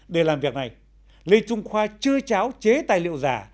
để làm việc này lê trung khoa chưa cháo chế tài liệu giả